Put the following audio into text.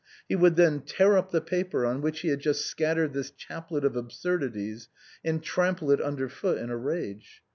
He would then tear up the paper, on which he had just scat tered this chaplet of absurdities, and trample it under foot in a rage.